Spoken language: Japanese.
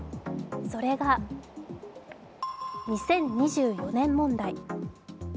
それが２０２４年問題。